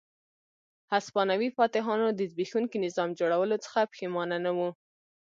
هسپانوي فاتحانو د زبېښونکي نظام جوړولو څخه پښېمانه نه وو.